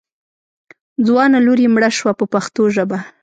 ځوانه لور یې مړه شوه په پښتو ژبه.